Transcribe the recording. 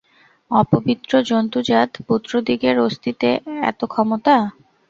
অপবিত্র জন্তুজাত পুত্রদিগের অস্থিতে এত ক্ষমতা!